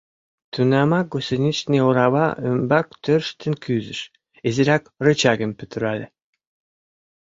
Тунамак гусеничный орава ӱмбак тӧрштен кӱзыш, изирак рычагым пӱтырале.